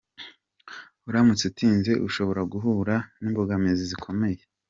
Uramutse utinze ushobora guhura n’imbogamizi zikomeye.’’